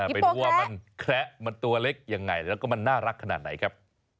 ไปดูว่ามันแคละมันตัวเล็กยังไงแล้วก็มันน่ารักขนาดไหนครับ